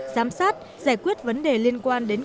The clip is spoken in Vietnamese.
giám sát giải quyết vấn đề liên quan đến